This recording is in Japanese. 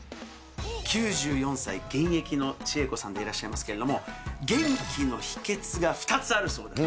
９４歳現役の千恵子さんでいらっしゃいますけれども、元気の秘けつが２つあるそうです。